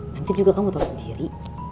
nanti juga kamu tahu sendiri